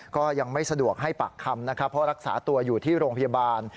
ก็ยังไม่สะดวกให้ปากคำนะครับเพราะรักษาตัวอยู่ที่โรงพยาบาล